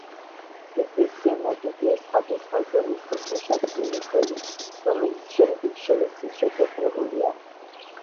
ეკლესია ნაგებია სხვადასხვა ზომის უხეშად თლილი ქვებით, რომელიც შემდეგ შელესილ-შეთეთრებულია.